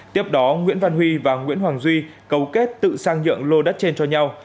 tiếp đó nguyễn văn huy và nguyễn hoàng duy cấu kết tự sang nhượng lô đất trên cho nhau